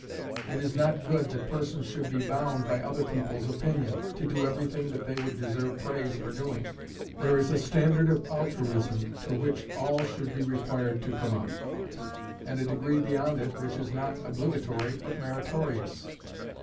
It is not good that persons should be bound, by other people's opinion, to do everything that they would deserve praise for doing. There is a standard of altruism to which all should be required to come up, and a degree beyond it which is not obligatory, but meritorious.